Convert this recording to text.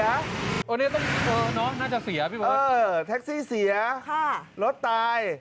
อันนี้น่าจะเสียพี่บอสแท็กซี่เสียรถตาย